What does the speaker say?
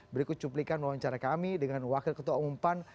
berikut cuplikan wawancara kami dengan wakil ketua umum pan